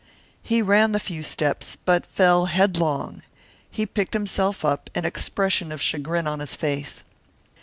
He ran the few steps, but fell headlong. He picked himself up, an expression of chagrin on his face.